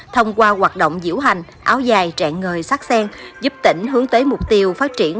thông qua hoạt động diễu hành áo dài trạng người sắc sen giúp tỉnh hướng tới mục tiêu phát triển